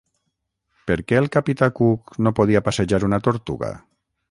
Per què el capità Cook no podia passejar una tortuga?